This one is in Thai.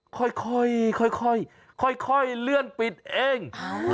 ค่อยค่อยค่อยเลื่อนปิดเอง